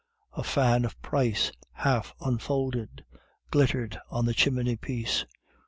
A fan of price, half unfolded, glittered on the chimney piece.